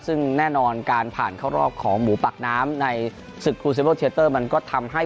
ซึ่งแน่นอนการผ่านเข้ารอบของหมูปากน้ำในศึกครูเซเวอร์เชลเตอร์มันก็ทำให้